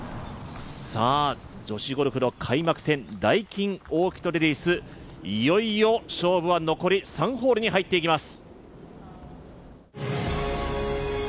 女子ゴルフの開幕戦、ダイキンオーキッドレディス、いよいよ勝負は残り３ホールに入っていきます。